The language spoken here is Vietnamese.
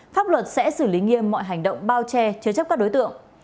pháp luật sẽ xử lý nghiêm mọi hành động bao che chứa chấp các đối tượng